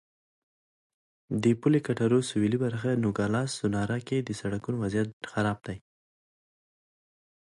د پولې کټارو سوېلي برخه نوګالس سونورا کې د سړکونو وضعیت خراب دی.